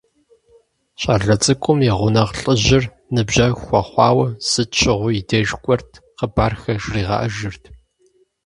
ЩӀалэ цӀыкӀум я гъунэгъу лӀыжьыр ныбжьэгъу хуэхъуауэ, сыт щыгъуи и деж кӀуэрт, хъыбархэр жригъэӀэжырт.